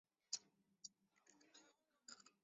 埃利早年在巴西的格雷米奥接受青训。